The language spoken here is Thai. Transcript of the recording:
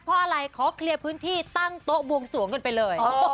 เพราะอะไรขอเคลียร์พื้นที่ตั้งโต๊ะบวงสวงกันไปเลย